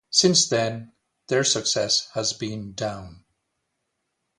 Since then their success has been down.